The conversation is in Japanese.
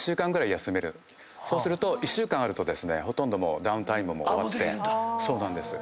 そうすると１週間あるとですねほとんどダウンタイムも終わって。